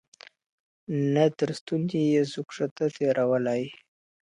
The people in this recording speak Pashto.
نه تر ستوني یې سو کښته تېرولالی.